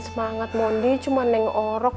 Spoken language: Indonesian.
semangat mondi cuma neng orok